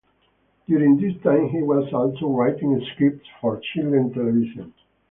During this time he was also writing scripts for children's Television.